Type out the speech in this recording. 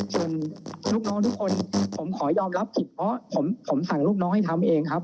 ส่วนลูกน้องทุกคนผมขอยอมรับผิดเพราะผมสั่งลูกน้องให้ทำเองครับ